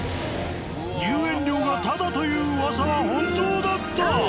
入園料がタダという噂は本当だった。